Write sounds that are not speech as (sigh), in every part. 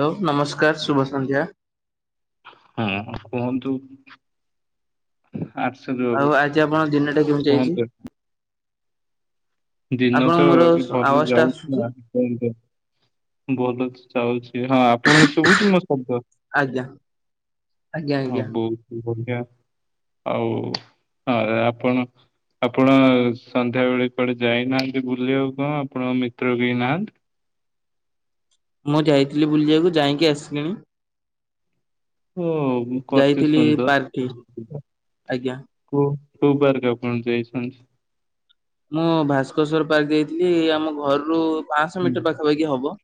Hello ନମସ୍କାର ଶୁଭ ସନ୍ଧ୍ୟା। ହଁ ହଁ କୁହନ୍ତୁ। ଆରଷଦ ବାବୁ ଆଉ ଆଜି ଆପଣଙ୍କ ଦିନଟା କେମିତି ଯାଇଛି? କହନ୍ତୁ। ଆପଣଙ୍କୁ ଦିନତ ମୋର ଭଲ ଆବାଜ ଟା ଆସୁଛି ଯାଉଚି (unintelligible) ଭଲ ଅଛି ଯାଉଚି ହଁ ଆପଣଙ୍କୁ ଶୁଭୁଚି ମୋ ଶବ୍ଦ। ଆଜ୍ଞା। ଆଜ୍ଞା ଆଜ୍ଞା। ଆଉ ବହୁତ୍ ବଢ଼ିଆ। ଆଉ ଆଃ ଆପଣ ଆପଣ ସନ୍ଧ୍ୟାବେଳେ କୁଆଡ଼େ ଯାଇନାହାନ୍ତି ବୁଲିବାକୁ କଣ ଆପଣଙ୍କ ମିତ୍ର କେହି ନାହାନ୍ତି? ମୁଁ ଯାଇଥିଲି ବୁଲିିବାକୁ ଯାଇକି ଆସିଲିଣି। ଓ କି ଯାଇଥିଲି ପାର୍କଠି ସୁନ୍ଦର (unintelligible) ଆଜ୍ଞା। କୁଅ କୋଉ ପାର୍କ ଆପଣ ଯାଇଛନ୍ତି? ମୁଁ ଭାସ୍କେଶଵର ପାର୍କ ଯାଇଥିଲି ଆମ ଘରରୁ ପାଞ୍ଚଶହ ମିଟର ପାଖାପାଖି ହବ।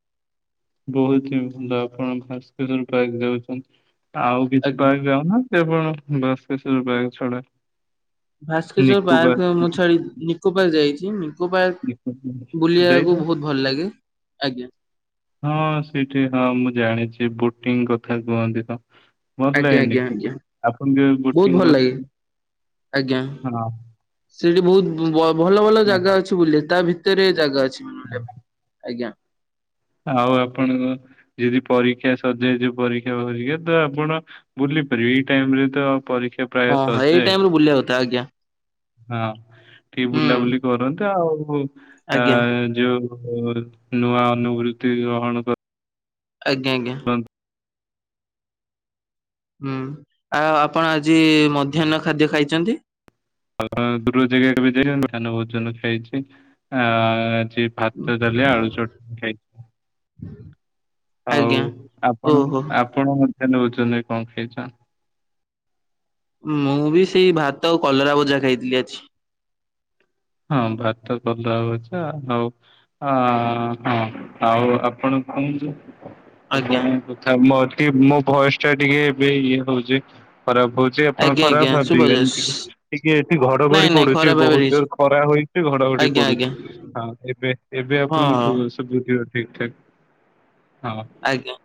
ବହୁତ୍ ହିଁ ଭଲ ଆପଣ ଭାସ୍କର ପାର୍କ ଯାଉଛନ୍ତି ଆଉ କିଛି ଆଜ୍ଞା। ପାର୍କ ଯାଉନାହା ସେଆପଣ ଭାସ୍କେଶଵର ପାର୍କ ଛଡ଼ା। ଭାସ୍କେଶ୍ଵର ପାର୍କ ମୁଛାଡ଼ି ନିକୋ ପାର୍କ ଯାଇଚି ନି ନିକୋ ପାର୍କ ଯାଇଛ? ବୁଲିବାକୁ ବହୁତ୍ ଭଲ ଲାଗେ ଆଜ୍ଞା। ହଁ ସେଇଠି ହଁ ମୁଁ ଜାଣିଛି ବୋଟିଂ କଥା କୁହନ୍ତିତ। ଭଲ ଆଜ୍ଞା ଲାଗେନି ଆଜ୍ଞା ଆଜ୍ଞା ଆପଣ କେବେ ବହୁତ ଭଲ ବୋଟିଂ ଲାଗେ କରିିଥି ଆଜ୍ଞା ସେଠି ବହୁତ୍ ବ ଭଲ ଭଲ ଜାଗା ଅଛି। ତୁବୁଲେ ତାଭିତରେ ଜାଗା ଅଛି ହଁ। ବୁଲିବା ପାଇଁ ଆଜ୍ଞା। ଆଉ ଆପଣଙ୍କ ଯଦି ପରୀକ୍ଷା ସରିଯାଇଚି ପରୀକ୍ଷା କରିକାତ ଆପଣ ବୁଲିପାରିବେ ଏଇ ଟାଇମିରେତ ପରୀକ୍ଷା ପ୍ରାୟ ଓହୋ ଏଇ ସରିଯାଏ ଟାଇମିରେ ବୁଲିବାକୁଥା ଆଜ୍ଞା। ହଁ ଟିକେ ହୁଁ ବୁଲାବୁଲି କରନ୍ତି ଆଉ ଆ ଆଜ୍ଞା ଯୋଉ ନୂଆ ଅନୁଭୃତ୍ତି ଗ୍ରହଣ କ ଆଜ୍ଞ ଆଜ୍ଞା। (unintelligible) ହୁଁ ଆଉ ଆପଣ ଆଜି ମଧ୍ୟାହ୍ନ ଖାଦ୍ୟ ଖାଇଚନ୍ତି? ଦୂର ଜାଗାବି (unintelligible) ମଧ୍ୟନ ଭୋଜନ ଖାଇଚି ଆ ଚି ଭାତ ଦେଲେ ଆଳୁଚଟଣି ଖାଇ ହୁଁ। ହଉ ଆପଣ ଆପଣ ମଧ୍ୟନ ଭୋଜନରେ କଣ ଖାଇଚନ୍ତି? ମୁବି ସେଇ ଭାତ ଆଉ କଲରା ଭଜା ଖାଇଥିଲି ଆଜି। ହଁ ଭାତ କଲରା ଭଜା ଆଉ ହଁ ହଁ ଆଉ ଆପଣ କହୁନ୍ତୁ। ଆଜ୍ଞା। ଆପଣ କଥା ମୋର ଟିକେ ମୋବୟସଟା ଟିକେ ଏବେ ଇଏ ହଉଚି ଖରାପ୍ ହଉ ଯେଆପଣ ଆଜ୍ଞା ଆଜ୍ଞା ଖରାପ୍ ଭାବିବେନି ଶୁଭଯାଉଛି ଟିକେ ଟିକେ ଏଠି ନାଇଁ ଘଡ଼ଘଡ଼ି ନାଇଁ ପଡ଼ୁଚି ଖରାପ ଭାବରେ ବହୁତ୍ ହେଇଛି ଜୋରେ ଖରା ହେଇଚି ଘଡ଼ଘଡ଼ି ଆଜ୍ଞା ପଡ଼ୁଚି ଆଜ୍ଞା। ହଁ ଏବେ ଏବେ ହଁ ହଁ ଆପଣଙ୍କୁଠୁ (unintelligible) ସୁବୁଥିବ ଠିକ୍ ଠାକ୍ ହଁ। ଆଜ୍ଞା।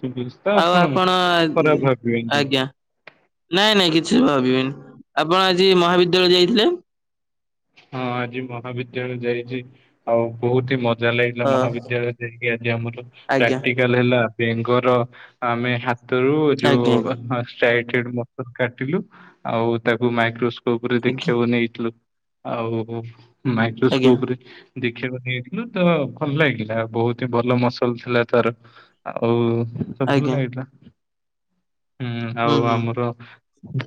ସୁବୁଚି। ଆଉ ଆପଣ ଆଜ୍ଞା। ନାଇଁ ନାଇଁ କିଛି ଭାବିବେନି ଆପଣ ଆଜି ମହାବିଦ୍ୟାଳୟ ଯାଇଥିଲେ। ହଁ ଆଜି ମହାବିଦ୍ୟାଳୟ ଯାଇଛି ଆଉ ବହୁତ ହି ମ ଚାଲେ ଏଇନା ଅ ମହାବିଦ୍ୟାଳୟ ଯାଇକି ଆଜି ଆମର ଆଜ୍ଞା (unintelligible) ଲ ହେଲା ବେଙ୍ଗର ଆମେ ହାତରୁ ଯୋଉ ଆଜ୍ଞା ଆ ର କାଟିଲୁ ଆଉ ତାକୁ ମାଇକ୍ରୋସ୍କୋପ ରେ ଆଜ୍ଞା ଦେଖିବାକୁ ନେଇଥିଲୁ। ଆଉ ଆଜ୍ଞା। ଆଜ୍ଞା ମାଇକ୍ରୋସ୍କୋପ ରେ ଦେଖିବାକୁ ନେଇଥିଲୁ ତ ଭଲ ଲାଗିଲାଉ ବହୁତ ହି ଭଲ ମସଲ ଥିଲା ତାର ଆଉ ସବୁ ଭଲ ଆଜ୍ଞା ଲାଗଥିଲା ହୁଁ ଆଉ ଆମର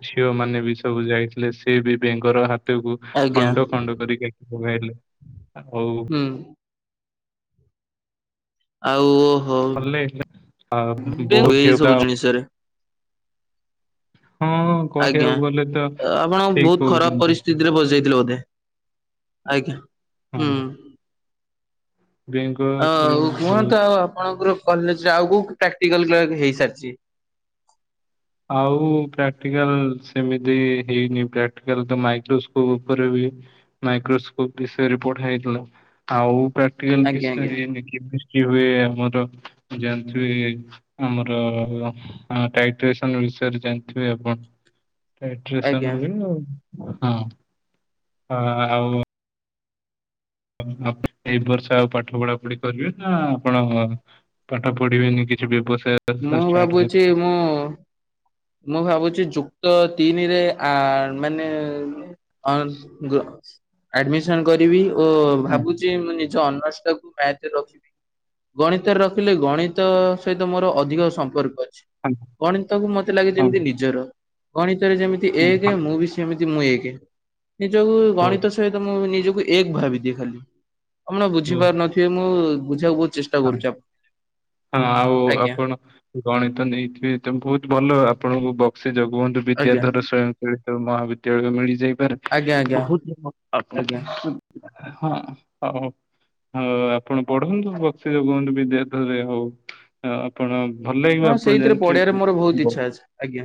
ଝିଅ ମାନେ ବି ସବୁ ଯାଇଥିଲେ ସେ ବି ବେଙ୍ଗର ହାତକୁ ଆଜ୍ଞା। ଖଣ୍ଡ ଖଣ୍ଡ କରି (unintelligible) ହୁଁ ଆଉ ଓହୋ ଭଲ ଲାଗିଲା ଆ ବହୁତ ଏଇ ଝିଅ ପିଲା ସବୁ ଜିନିଷରେ ହଁ ଆଜ୍ଞା କହିବାକୁ ଗଲେ ତ ଆପଣ ଠିକ ବହୁତ ଖରାପ କହୁଛନ୍ତି ପରିସ୍ଥିତିରେ ବସିଯାଇଥିଲେ ବୋଧେ ଆଜ୍ଞା ହୁଁ ହଁ ବେଙ୍ଗ ଆ ପ୍ରେମୀ ଢେଉ କୁହନ୍ତୁ ଆଉ ଆପଣଙ୍କର କଲେଜରେ ଆଉ କୋଉ ପ୍ରାକ୍ଟିକାଲ ହେଇସାରିଛି ଆଉ ପ୍ରାକ୍ଟିକାଲ ସେମିତି ହେଇନି ପ୍ରାକ୍ଟିକାଲ ତ ମାଇକ୍ରୋସ୍କୋପ ଉପରେ ବି ମାଇକ୍ରୋକୋପ ବିଷୟ ରିପୋର୍ଟ ହେଇଥିଲା ଆଉ ପ୍ରାଟିକାଲ୍ ଆଜ୍ଞା କିଛି ତ ଆଜ୍ଞା ହେଇନି (unintelligible) କି ହୁଏ ଆମର ଯାଣିଥିବ ଆମର ଟା ଟେଶନ ବିଷୟରେ ଜାଣିଥିବେ ଆପଣ (unintelligible) ଆଜ୍ଞା ହୁଏ ଆଉ ହଁ ହ ଆଉ ଆପଣ ଏଇ ବର୍ଷ ଆଉ ପାଠ ପଢା ପଢି କରିବେ ନା ଆପଣ। ପାଠ ପଢିବେନି କିଛି ବ୍ୟବସାୟ। ମୁଁ ଷ୍ଟାର୍ଟ ଭାବୁଛି କରିଚି। ମୁଁ। ମୁଁ ଭାବୁଛି ଯୁକ୍ତ ତିନିରେ ଆ ମାନେ। ଆଡମିସନ କରିବି ଓ ହଁ ଭାବୁଛି। ମୁଁ ନିଜ ଅନର୍ଷ ତାକୁ ମ୍ୟାଥ ରେ ରଖିବି। ଗଣିତରେ ରଖିଲେ ଗଣିତ ସହିତ ମୋର ଅ ଧିକ ସମ୍ପର୍କ ଅଛି ହଁ ଗଣିତକୁ ମତେ ଲାଗେ ହଁ ଯେମିତି ନିଜର ଗଣିତରେ ଯେମତି। ଏକ ହଁ, ମୁଁ ବି ସେମିତି ମୁଁ ଏକ ନିଜକୁ ହଉ ଗଣିତ। ସ ମୁଁ ନିଜକୁ ଏକ ଭାବିଦିଏ ଖାଲି ଆପଣ ହଉ ବୁଝିପାରୁ ନଥିବେ ମୁଁ ବୁଝିବାକୁ ବହୁ ଚେଷ୍ଟା ହଁ କରୁଛି ହଁ ଆଉ ଆଜ୍ଞା ଆପଣ ଗଣିତ ନେଇଥିବେ ତମେ ବହୁତ ଭଲ ଆପଣଙ୍କୁ ବକ୍ସେ ଜଗବଧୁ ଆଜ୍ଞା। ବିଦ୍ୟାଧର ସଵୟଂ। ଳ ମହାବିଦ୍ୟାଳୟ ମିଳିଯାଇପାରେ ଆଜ୍ଞା ଆଜ୍ଞା ବହୁତ ଲୋକ ଆପ ଆଜ୍ଞା ହଁ ହଉ ହଉ ଆପଣ ପଢନ୍ତୁ। ସେ କୁହନ୍ତୁ ବିଦ୍ୟାଧର ରେ ହଉ। ଆପଣ ଭଲ ଲାଗିବ ହଁ ଆପଣ ସେଇଥିରେ ପଢିବାରେ ଜାଣିଥିବୁ। ମୋର ବହୁତ ବ ଇଚ୍ଛା ଅଛି ଆଜ୍ଞା।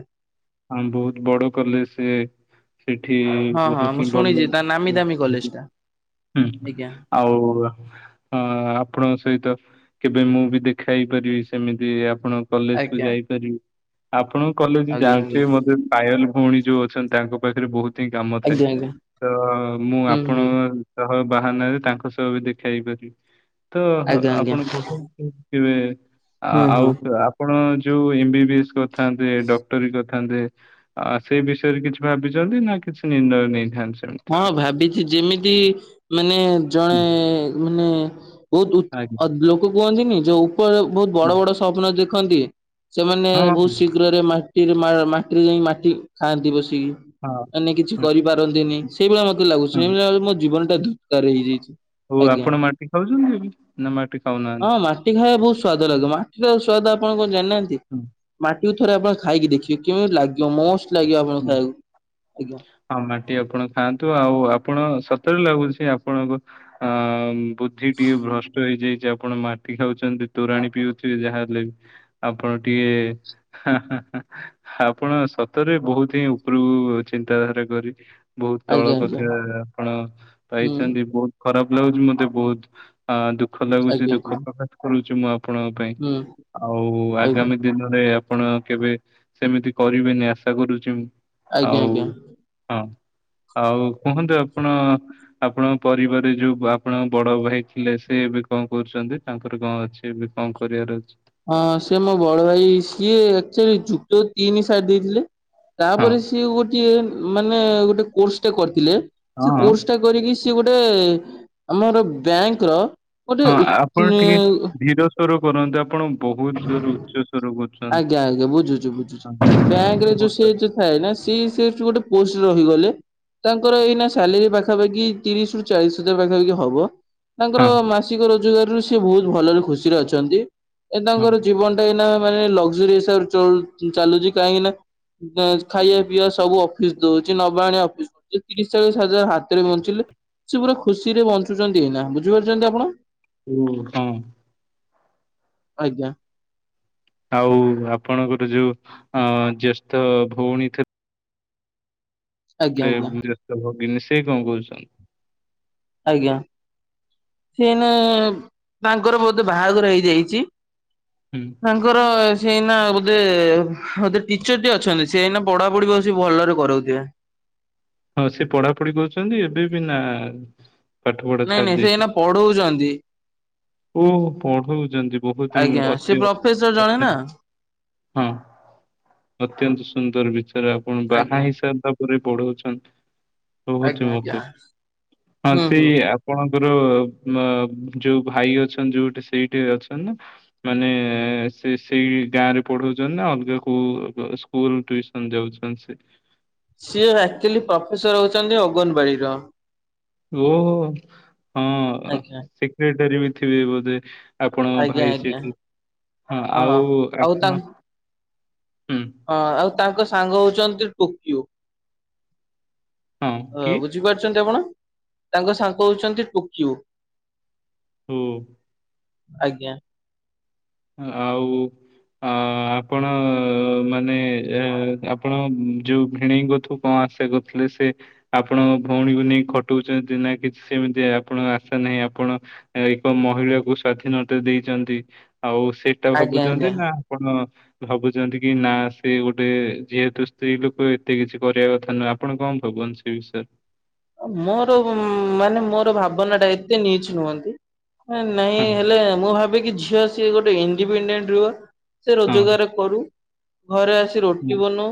ହଁ ବହୁତ ବଡ କଲେସେ। ସେଠି ହଁ ହଁ ବହୁତ ମୁଁ ଶୁଣିଛି ତା ନାମୀ ଦାମୀ (unintelligible) କଲେଜ ଟା ହୁଁ। ଆଜ୍ଞା ଆଉ ଅ ଆପଣ ସ୍। ସହିତ କେବେ ମୁଁ ବି ଦେଖା ହେଇ ପାରିବି ସେମିତି ଆପଣ କଲେଜ କୁ ଆଜ୍ଞା। ଆଜ୍ଞା ଯାଇପାରିବି। ଆପଣ କଲେଜ ଆଜ୍ଞା ଜାଣିଥିବେ ମତେ ପାଏଲ ଭଉଣୀ ଯୋଉ ଅଛନ୍ତି ତାଙ୍କ ପାଖରେ ବହୁତ। ଥି କାମ ଥାଏ ଆଜ୍ଞା ଆଜ୍ଞା ତ ମୁଁ ହୁଁ ଆପଣ ହୁଁ ସହ ବାହାନାରେ ତାଙ୍କ ସହ ବି ଦେଖା ହେଇପାରିବ ତ। ଆଜ୍ଞା ଆଜ୍ଞା (unintelligible) ତେବେ ହଁ ଆଉ ହଁ। ପ୍ ଆପ ଆପଣ ଯୋଉ ଏମ ବି ଏସ୍ କରିଥାନ୍ତେ ଡକ୍ଟର କରିଥାନ୍ତେ। ଆ ସେଇ ବିଷୟରେ କିଛି ଭାବିଛନ୍ତି ନା କିଛି ନିର୍ଣ୍ଣୟ ନେଇଥାନ୍ତି। ସେମିତି? ହଁ ଭାବିଛି ଯେମିତି ମାନେ ହୁଁ ଜଣେ ମାନେ। ବହୁତ ଆଜ୍ଞା ଉତ୍ ଲୋକ କୁହନ୍ତିନି ଯୋଉ ଉପର ବହୁତ ହୁଁ, ବଡ ବଡ ସ୍ୱପ୍ନ ଦେଖନ୍ତି। ସେମାନେ ହଁ ବହୁତ ଶୀଘ୍ରରେ ମାଟିରେ ମାଟିରେ ଯାଇ ମାଟି ଖାଆନ୍ତି ବସିକି। ହଁ ମାନେ କିଛି ହଁ। କରିପାରନ୍ତିନି ସେଇଭଳିଆ ମତେ ହଁ ଲାଗୁଛି ମୋ ଜୀବନ ଟା ଧୁକାର ହେଇଯାଇଛି। ହଉ ଆଜ୍ଞା ଆପଣ ମାଟି ଖାଉଛନ୍ତି ଏବେ ନା ମାଟି ହଁ ଖାଉନାହାନ୍ତି? ମାଟି ଖାଇବା ବହୁତ ସ୍ଵାଦ ଲାଗେ ମାଟିର ସ୍ଵାଦ ଆପଣ କଣ ଜାଣି ନାହାନ୍ତି ମାଟି ଥରେ ଆପଣ ଖାଇକି ଦେଖିବେ କେମିତି ଲାଗିବ ମଷ୍ଟ ଲାଗିବ ଆପଣ ହୁଁ, ଖାଇବାକୁ ଆଜ୍ଞା। ହଁ ମାଟି ଆପଣ ଖାଆନ୍ତୁ ଆଉ ଆପଣ ସତରେ ଲାଗୁଛି ଆପଣଙ୍କୁ ଅଁ ବୁଦ୍ଧି ଟିକେ ଭ୍ରଷ୍ଟ ହେଇଯାଇଛି ଆପଣ ମାଟି ଖାଉଛନ୍ତି ତୋରାଣି ପିଉଥିବେ ଯାହା ହେଲେ ବି ଆପଣ ଟିକେ ହା ହା ହା ଆପଣ ସତରେ ବହୁତ ଉପରକୁ ଚିନ୍ତାଧାରା କରି ବହୁତ ତଳ ଆଜ୍ଞା ଆଜ୍ଞା କଥା ଆପଣ ହୁଁ ପାଇଛନ୍ତି ବହୁତ ଖରାପ ଲାଗୁଚି ମତେ ବହୁତ ହଁ ଦୁଃଖ ଲାଗୁଛି ଆଜ୍ଞା ଦୁଃଖ ଆଜ୍ଞା ପ୍ରକାଶ କରୁଛି ମୁଁ ଆପଣଙ୍କ ପାଇଁ ହୁଁ ଆଉ ଆଜ୍ଞା। ଆଗାମୀ ଦିନରେ ଆପଣ କେବେ ସେମିତି କରିବେନି ଆଶା କରୁଚୁ ଆଜ୍ଞା ଆଉ ଆଜ୍ଞା ହଁ ଆଉ କୁହନ୍ତୁ ଆପଣ ଆପଣଙ୍କ ପରିବାରରେ ଯୋଉ ଆପଣଙ୍କ ବଡ ଭାଇ ଥିଲେ ସେ ଏବେ କଣ କରୁଛନ୍ତି? ତାଙ୍କର କଣ ଅଛି ବି କଣ କରିବାର ଅଛି? ହଁ ସେ ମୋ ବଡ ଭାଇ ସିଏ ଆକ୍ଚୋଲି ଯୁକ୍ତ ତିନି ସାରୀ ଦେଇଥିଲେ ହଁ ତାପରେ ସିଏ ଗୋଟିଏ ମାନେ ଗୋଟେ କୋର୍ସ ଟେ କରିଥିଲେ ସେ ହଁ କୋର୍ସ ଟା କରିକି ସେ ଗୋଟେ ଆମର ବ୍ୟାଙ୍କର ଗୋଟେ ହଁ ଆପଣ ଟିକେ (unintelligible) (unintelligible) କରନ୍ତୁ ଆପଣ ବହୁତ ଜୋରେ ଉଚ ସୋର କରୁଛନ୍ତି ଆଜ୍ଞା ଆଜ୍ଞା ବୁଝୁଛୁ (inaudible) ହଁ ନା ସି ସେଠି ଗୋଟେ ପୋଷ୍ଟରେ ରହିଗଲେ ତାଙ୍କର ଏଇନା ସାଲେରି ପାଖାପାଖି ତିରିଶି ରୁ ଚାଳିଶ ହଜାର ପାଖାପାଖି ହବ ତାଙ୍କର ହଁ ମାସିକ ରୋଜଗାର ରୁ ସେ ଭଉତ ଭଲରେ ଖୁସିରେ ଅଛନ୍ତି। ଏ ତାଙ୍କର ଜୀବନ ଟା ଏଇନା ମାନେ ଲକ୍ଜରିୀୟସ ହିସାବରେ ଚଳୁ ଚାଲୁଛି କାହିଁକି ନା (unintelligible) ଖାଇବା ପିଇବା ସବୁ ଅଫିସ ଦଉଛି ନବା ଆଣୀବା ଅଫିସ (unintelligible) ତିରିଶ ଚାଳିଶ ହଜାର ହା ତରେ ବଞ୍ଚିଲେ ସେ ପୁରା ଖୁସିରେ ବଞ୍ଚୁଛନ୍ତି ଏଇନା ବୁଝିପାରୁଛନ୍ତି ଆପଣ ହୁଁ ହଁ। ଆଜ୍ଞା। ଆଉ ଆପଣଙ୍କର ଯୋଉ ଅଁ ଜ୍ୟେଷ୍ଠ ଭଉଣୀ ଥିଲେ ଆଜ୍ଞା ସେ ଆଜ୍ଞା (unintelligible) ଭଗିନୀ ସେଇ କଣ କରୁଛନ୍ତି? ଆଜ୍ଞା ସେ ଏଇନା ତାଙ୍କର ବୋଧେ ବାହାଘର ହେଇଯାଇଛି। ହୁଁ (inaudible) ତାଙ୍କର ସେ ଏଇନା ବୋଧେ ବୋଧେ ଟିଚର ଟେ ଅଛନ୍ତି ସେ ଏଇନା ପଢା ପଢି ଆଉବି ସେ ଭଲରେ କରଉଥିବେ। ହଁ ସେ ପଢାପଢି କରୁଛନ୍ତି ଏବେ ବି ନା ପାଠ ପଢ଼ା ନାଇଁ ଛାଢି ନାଇଁ ସେ ଦେଇଚି ଏଇନା ପଢଉଛନ୍ତି ଓହ ପଢଉଛନ୍ତି ଆଜ୍ଞା (unintelligible) ସେ ଅତି ପ୍ରଫେସର ଜଣେ ନା (unintelligible) ହଁ (inaudible) ଅତ୍ୟନ୍ତ ସୁନ୍ଦର ବିଚାର ଆପଣ ଆଜ୍ଞା। ବାହାହେଇ ସାରିବା ପରେ ବି ପଢଉଛନ୍ତି ଆଜ୍ଞା ଆଜ୍ଞା (unintelligible) ହଁ ହୁଁ ହୁଁ। ସେଇ ଆପଣଙ୍କର ମଁ ଯୋଉ ଭାଇ ଅଛନ୍ତି ଯୋଉଠି ସେଇଠି ଅଛନ୍ତି ନା ମାନେ ସେ ସେଇ ଗାଁ ରେ ପଢଉଛନ୍ତି ନା ଅଲଗା କୋଉ ସ୍କୁ ସ୍କୁଲ ଟ୍ୟୁସନ ଯାଉଛନ୍ତି ସେ ସିଏ ଆକ୍ଚୋଲି ପ୍ରଫେସର ହଉଛନ୍ତି ଅଗନବାଡିର ଓହୋ। ଆଜ୍ଞା। (unintelligible) କ୍ରେଟାରି ବି ଥିବେ ବୋଧେ ଆପଣଙ୍କ ଆଜ୍ଞା ଭାଇ ଆଜ୍ଞା। ସେଠି (inaudible) ହଁ ଆଉ ଆଉ ଆପଣ ତାଙ୍କ (inaudible) ହୁଁ ହଁ ଆଉ ତାଙ୍କ ସାଙ୍ଗ ହଉଛନ୍ତି (unintelligible) ଟୋକିଓ ହଁ ଅ କିଏ ବୁଝିପାରୁଛନ୍ତି ଆପଣ ତାଙ୍କ ସାଙ୍ଗ ହଉଛନ୍ତି (unintelligible) ଟୋକିଓ ହୁଁ। ଆଜ୍ଞା। ହଁ ଆଉ ଅ ଆପଣ ମାନେ ଏ ଆପଣ ଯୋଉ ଭିଣେଇଙ୍କଥୁ କଁ ଆଶା କରିଥିଲେ ସେ? ଆପଣଙ୍କ ଭଉଣୀକୁ ନେଇ ଖଟଉଚନ୍ତି ନାଁ କିଛି ସେମିତି ଆପଣଙ୍କ ଆଶା ନାହିଁ ଆପଣ ଏକ ମହିଳାକୁ ସ୍ଵାଧୀନତା ଦେଇଚନ୍ତି ଆଉ ସେଟା ଆଜ୍ଞା ଭାବୁଚନ୍ତି ଆଜ୍ଞା। ନାଁ ପଣ ଭାବୁଚନ୍ତି କି ନାଁ ସେ ଗୋଟେ ଯେହେତୁ ସ୍ତ୍ରୀ ଲୋକ ଏତେ କିଛି କରିବା କଥା ନୁହେଁ ଆପଣ କଁ ଭାବଞ୍ଚ୍ ସେ ବିଷୟ ଅ ମୋର ମାନେ ମୋର ଭାବନାଟା ଏତେ ନିଚ୍ ନୁହନ୍ତି। ଏଁ ନାଇଁ ହଁ ହେଲେ ମୁଁ ଭାବେ କି ଝିଅ ସିଏ ଗୋଟେ ଇଣ୍ଡିପିଣ୍ଡେଣ୍ଟ୍ ରୁଅ। ସେ ହଁ ରୋଜଗାର କରୁ। ଘରେ ଆସି ରୋଟି ବନଉ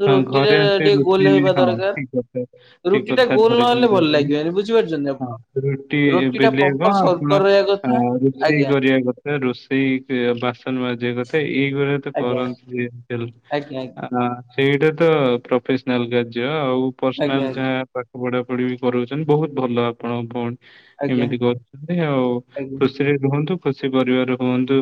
ଯେ ହଁ ରୁଟିରେ ଟିକେ ଗୋଲେ ହେବା ଦରକାର। ଠିକ୍ ରୁଟି ଟା କଥା ଗୋଲ ନହେଲେ ଧରିଛନ୍ତି ଭଲ ଆପଣ ଲାଗିବନି ବୁଝିପାରୁଛନ୍ତି ଆପଣ? ହଁ ରୁଟି ଟା ବେଲେଇବ ପ୍ରପର ଆଉ ସର୍କଲ ପୁଣ ରହିବା ଆ କଥା ରୋଷେଇ ଆଜ୍ଞା କରିବା କଥା ରୋଷେଇ ସେ ବାସନ ମାଜିବା କ ଥେ ଏଇ ଗଳିଆ ତ ଆଜ୍ଞା କରନ୍ତି ଯେମତି ହେଲେ। ଆଜ୍ଞା ଆ ହଁ ସେଇଟା ତ ପ୍ରଫେସନାଲ୍ କାର୍ଯ୍ୟ ଆଉ ପର୍ସନାଲ୍ ଆଜ୍ଞା। ଯାହା ପାଠ ପଢ଼ାପଢ଼ି ବି କରଉନ୍ତି ବହୁତ ଭଲ ଆପଣଙ୍କ ଭଉ ଆଜ୍ଞା ଆଜ୍ଞା ଏମିତି କରୁଛନ୍ତି ଆଉ ଆଜ୍ଞା ଖୁସିରେ ରୁହନ୍ତୁ ଖୁସି ପରିବାର ହୁଅନ୍ତୁ।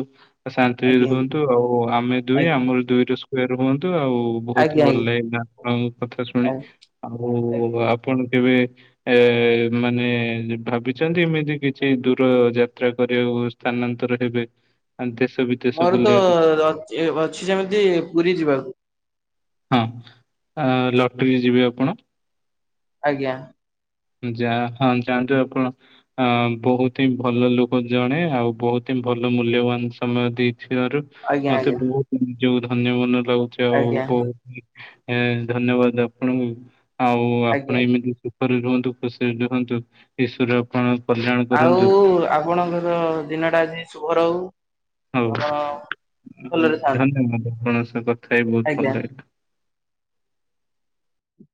ଶାନ୍ତି ଆଜ୍ଞା ରୁହନ୍ତୁ ଆଉ ଆମେ ଦୁଇ ଆମର ଦୁଇର ସ୍କୋୟାର୍ ହୁଅନ୍ତୁ ଆଉ ବହୁତ ହିଁ ଆଜ୍ଞା ଭଲ ଲାଗିଲା ଆଉ କଥା ଶୁଣି ଆଜ୍ଞା ଆଉ ଆଜ୍ଞା। ଆପଣ କେବେ ଏ ମାନେ ଭାବିଛନ୍ତି ଏମିତି କିଛି ଦୂର ଯାତ୍ରା କରିବାକୁ? ସ୍ଥାନାନ୍ତର ହେବେ ଆ ଦେଶ ବିଦେଶ ବୁଲେ ଅ ଅ ଏ ଅଛି ଯେମିତି ପୁରୀ ଯିବାକୁ। ହଁ ଅ ଲଟରି ଯିବେ ଆପଣ। ଆଜ୍ଞା। ଯା ହଁ ଯାଆନ୍ତୁ ଆପଣ। ଅ ବହୁତ ହିଁ ଭଲ ଲୋକ ଜଣେ ଆଉ ବହୁତ ହିଁ ଭଲ ମୂଲ୍ୟବାନ ସମୟ ଦେଇଥିବାରୁ ଆଜ୍ଞା ମତେ ଆଜ୍ଞା। ବହୁତ ଯୋଉ ଧନ୍ୟ ମନ ଲାଗୁଚି ଆଉ ଆଜ୍ଞା ବହୁ ଏ ଧନ୍ୟବାଦ ଆପଣଙ୍କୁ ଆଉ ଆପଣ ଆଜ୍ଞା ଏମିତି ସୁଖରେ ରୁହ ତୁ ଖୁସିରେ ରୁହନ୍ତୁ ଈଶ୍ୱର ଆପଣ କଲ୍ୟାଣ ଆଉ କରନ୍ତୁ ଆପଣଙ୍କର ଦିନଟା ଆଜି ଶୁଭ ରହୁ। ହଉ ଆପଣ ଉଁ ଭଲରେ ଥାଆନ୍ତୁ ଧନ୍ୟବାଦ ଆପଣଙ୍କ ସହ କଥା ହେଇ ବହୁତ ଆଜ୍ଞା। ଭଲ ଲାଗିଲା।